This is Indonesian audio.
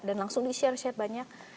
dan langsung di share share banyak